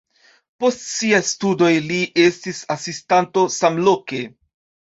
Post siaj studoj li estis asistanto samloke.